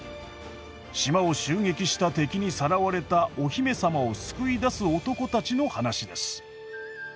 島を襲撃した敵にさらわれたお姫様を救い出す男たちの話です。